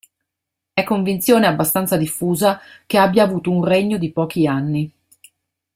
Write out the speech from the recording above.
È convinzione abbastanza diffusa che abbia avuto un regno di pochi anni.